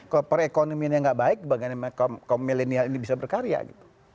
kalau perekonomiannya nggak baik bagaimana kaum milenial ini bisa berkarya gitu